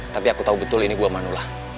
tapi aku tahu betul ini gua manula